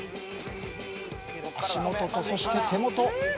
足元とそして手元。